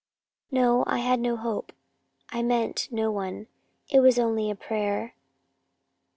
"No, I had no hope. I meant no one. It was only a prayer."